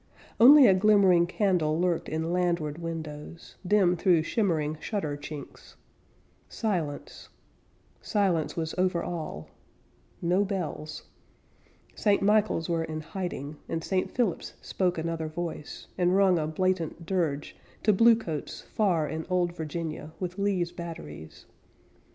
Only a glimmering candle lurked in landward windows, Dim through shimmering shutter chinks Silence silence was over all no bells St. Michael's were in hiding, And St. Philip's spoke another voice, And rung a blatant dirge to bluecoats, far In old Virginia, with Lee's batteries.